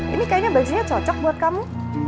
ini kayaknya bajunya cocok buat kamu